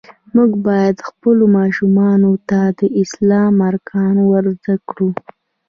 مونږ باید خپلو ماشومانو ته د اسلام ارکان ور زده کړو.